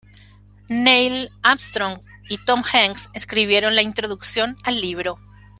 Neil Armstrong y Tom Hanks escribieron la introducción al libro.